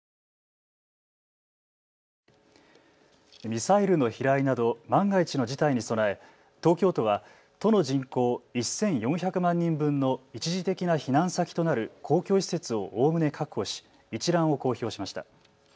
ミサイルの飛来など万が一の事態に備え東京都は都の人口１４００万人分の一時的な避難先となる公共施設をおおむね確保し一覧を公表しました。